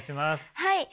はい。